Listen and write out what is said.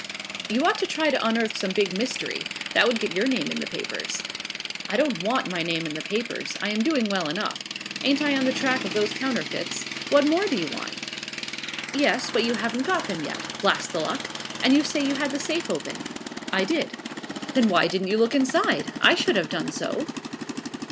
"You ought to try to unearth some big mystery. That would get your name in the papers." "I don't want my name in the papers. I am doing well enough. Ain't I on the track of those counterfeits? What more do you want?" "Yes, but you haven't got them yet, blast the luck! And you say you had the safe open?" "I did." "Then why didn't you look inside? I should have done so."